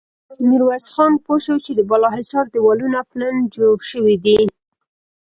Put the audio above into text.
ميرويس خان پوه شو چې د بالا حصار دېوالونه پلن جوړ شوي دي.